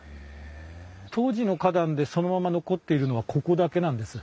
当時の花壇でそのまま残っているのはここだけなんです。